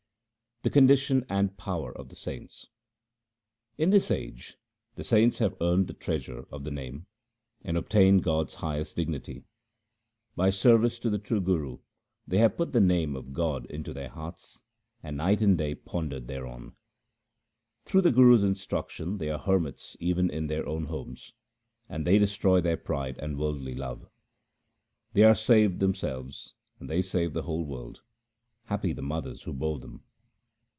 The condition and power of the saints :— In this age the saints have earned the treasure of the Name, and obtained God's highest dignity. 206 THE SIKH RELIGION By service to the true Guru they have put the name of God into their hearts, and night and day ponder thereon. Through the Guru's instruction they are hermits even in their own homes, and they destroy their pride and worldly love. They are saved themselves and they save the whole world ; happy the mothers who bore them.